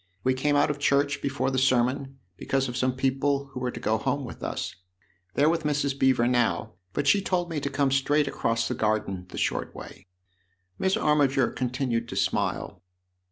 We came out of church before the sermon, because of some people who were to go home with us. They're with Mrs. Beever now, but she told me to come straight across the garden the short way." Miss Armiger continued to smile.